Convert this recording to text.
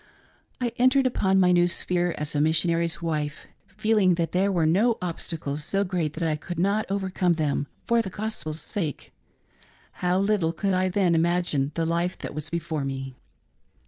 I entered upon my new sphere as a missionary's wife, feeling that there were no obstacles so great that I could not over come them for the Gospel's sake. How little could I then imagine the life that was before me.